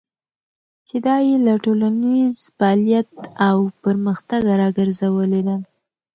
چې دا يې له ټولنيز فعاليت او پرمختګه راګرځولې ده.